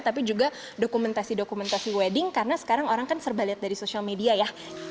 tapi juga dokumentasi dokumentasi wedding karena sekarang orang kan serba lihat dari social media ya